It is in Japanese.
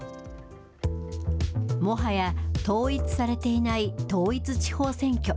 もはや、統一されていない統一地方選挙。